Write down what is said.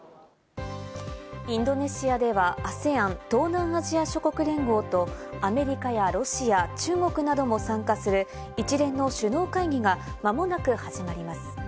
インドネシアではＡＳＥＡＮ＝東南アジア諸国連合とアメリカやロシアや中国なども参加する一連の首脳会議がまもなく始まります。